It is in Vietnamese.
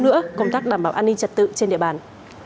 nữa công tác đảm bảo an ninh trật tự trên địa bàn